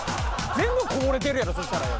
全部こぼれてるやろそしたらよ。